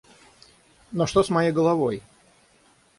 Но что с моей головой?